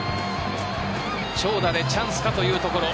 長打でチャンスかというところ。